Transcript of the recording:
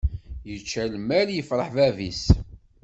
Yečča lmal yefṛeḥ bab-is.